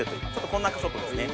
こんなショットですね